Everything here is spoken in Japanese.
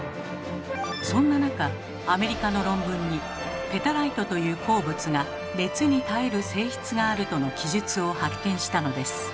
そんな中アメリカの論文に「ペタライトという鉱物が熱に耐える性質がある」との記述を発見したのです。